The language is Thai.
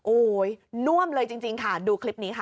โอ้โหน่วมเลยจริงค่ะดูคลิปนี้ค่ะ